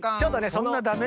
そんなダメ？